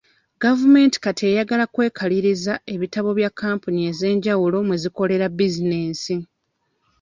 Gavumenti kati eyagala kwekaliriza ebitabo bya kampuni ez'enjawulo mwe zikolera bizinensi.